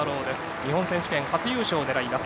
日本選手権初優勝を狙います。